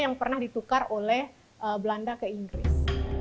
yang pernah ditukar oleh belanda ke inggris